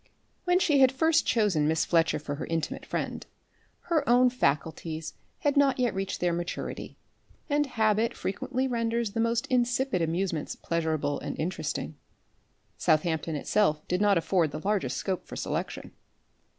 When she had first chosen Miss Fletcher for her intimate friend, her own faculties had not yet reached their maturity; and habit frequently renders the most insipid amusements pleasurable and interesting. Southampton itself did not afford the largest scope for selection.